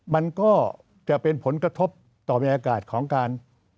มันก็จะเป็นผลกระทบต่อบรรยากาศของการ